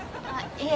いえ。